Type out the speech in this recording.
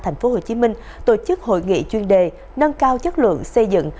tp hcm tổ chức hội nghị chuyên đề nâng cao chất lượng xây dựng